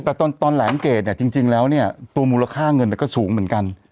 แต่ตอนเหลลมเกรดจริงแล้วนี่มูลค่าเงินมันก็สูงเหมือนกัน